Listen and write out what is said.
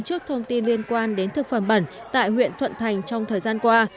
trước thông tin liên quan đến thực phẩm bẩn tại huyện thuận thành trong thời gian qua